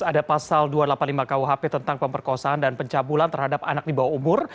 ada pasal dua ratus delapan puluh lima kuhp tentang pemperkosaan dan pencabulan terhadap anak di bawah umur